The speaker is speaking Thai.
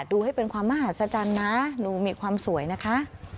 ดูให้เป็นความมหัศจรรย์นะดูมีความสวยนะคะ